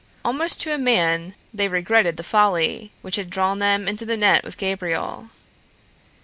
Almost to a man they regretted the folly which had drawn them into the net with Gabriel.